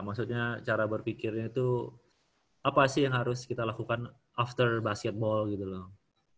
maksudnya cara berpikirnya itu apa sih yang harus kita lakukan after basketball gitu loh